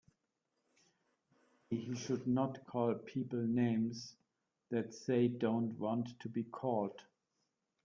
Maybe he should not call people names that they don't want to be called.